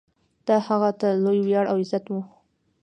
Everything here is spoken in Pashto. دا هغه ته لوی ویاړ او عزت و.